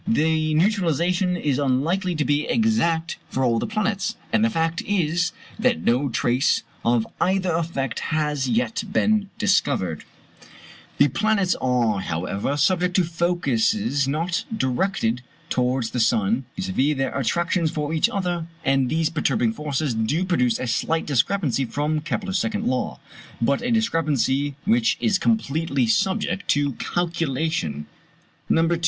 The neutralization is unlikely to be exact for all the planets; and the fact is, that no trace of either effect has as yet been discovered. (See also p. 176.) The planets are, however, subject to forces not directed towards the sun, viz. their attractions for each other; and these perturbing forces do produce a slight discrepancy from Kepler's second law, but a discrepancy which is completely subject to calculation. No.